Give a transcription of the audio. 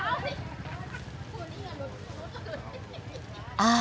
ああ。